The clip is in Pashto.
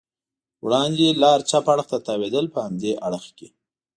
وړاندې لار چپ اړخ ته تاوېدل، په همدې اړخ کې.